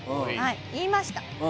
言いました。